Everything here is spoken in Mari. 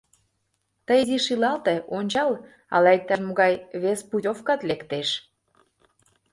Тый изиш илалте, ончал, ала иктаж-могай вес путёвкат лектеш.